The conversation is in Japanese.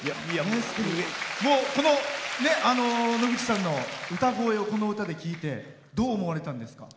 この野口さんの歌声をこの歌で聴いてどう思われたんですか？